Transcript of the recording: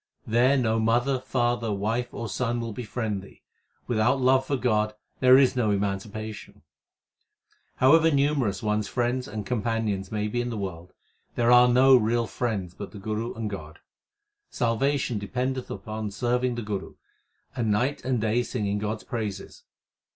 There no mother, father, wife, or son will befriend thee , without love for God there is no emancipation. 364 THE SIKH RELIGION However numerous one s friends and companions may be in the world, There are no real friends but the Guru and God. Salvation dependeth upon serving the Guru, and night and day singing God s praises.